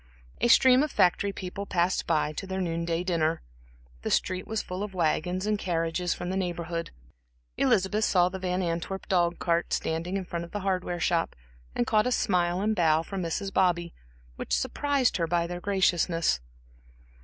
A stream of factory people passed by to their noon day dinner; the street was full of wagons and carriages from the Neighborhood. Elizabeth saw the Van Antwerp dog cart standing in front of the hardware shop, and caught a smile and bow from Mrs. Bobby, which surprised her by their graciousness.